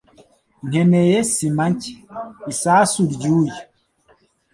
Nkeneye sima nshya. Isasu ry'uyu.